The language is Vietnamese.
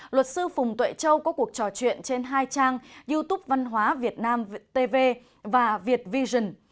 luật sư phùng tuệ châu có cuộc trò chuyện trên hai trang youtube văn hóa việt nam tv và việt vision